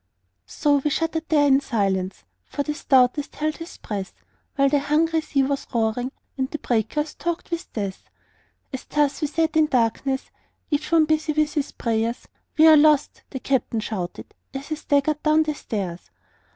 So we shuddered there in silence, For the stoutest held his breath, While the hungry sea was roaring And the breakers talked with death. As thus we sat in darkness Each one busy with his prayers, "We are lost!" the captain shouted, As he staggered down the stairs.